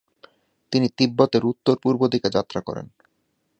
তিনি তিব্বতের উত্তর-পূর্ব দিকে যাত্রা করেন।